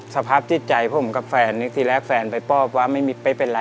สภาพจิตใจผมกับแฟนทีแรกแฟนไปปอบว่าไม่เป็นไร